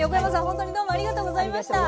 ほんとにどうもありがとうございました！